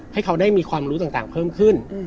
ให้เขาได้มีความรู้ต่างเพิ่มขึ้น